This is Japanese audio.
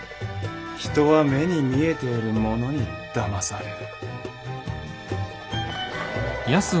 人は目に見えているものにだまされる。